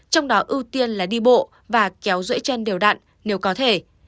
trong đó ưu tiên là đi bộ và kéo rưỡi chân đều đặn nếu có thể